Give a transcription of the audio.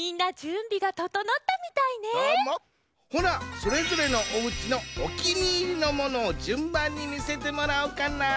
ほなそれぞれのおうちのおきにいりのものをじゅんばんにみせてもらおかな。